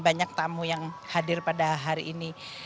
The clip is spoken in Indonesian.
banyak tamu yang hadir pada hari ini